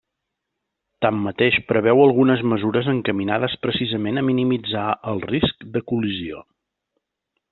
Tanmateix, preveu algunes mesures encaminades precisament a minimitzar el risc de col·lisió.